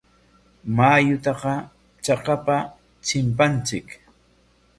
Mayutaqa chakapa chimpanchik.